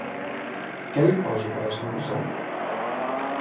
Què li poso per esmorzar?